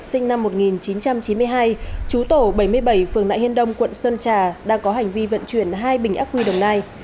sinh năm một nghìn chín trăm chín mươi hai chú tổ bảy mươi bảy phường nại hiên đông quận sơn trà đang có hành vi vận chuyển hai bình ác quy đồng nai